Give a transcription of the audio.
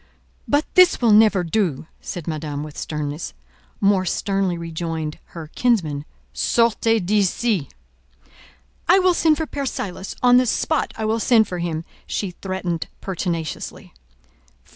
"But this will never do," said Madame, with sternness. More sternly rejoined her kinsman— "Sortez d'ici!" "I will send for Père Silas: on the spot I will send for him," she threatened pertinaciously.